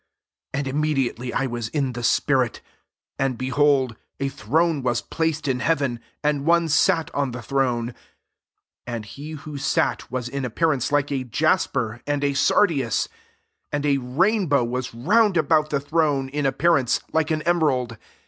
2 [•^wfl?] im mediately I was in the spirit: and, behold, a throne was plac ed in heaven, and one sat on the throne«\ 3 \jind he whh «a/] YMZf in appearance like a jasper and a sardius : and a rainbow was round about the throne, in appearance, like an emerald.